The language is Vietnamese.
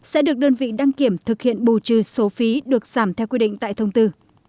sẽ được đơn vị đăng kiểm thực hiện bù trừ số phí được giảm theo quy định tại thông tư